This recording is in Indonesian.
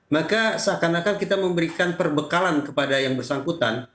maka seakan akan kita memberikan perbekalan kepada yang bersangkutan